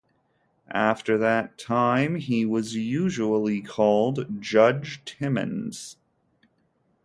After that time he was usually called Judge Timmonds.